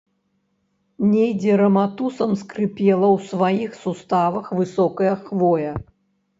Недзе раматусам скрыпела ў сваіх суставах высокая хвоя.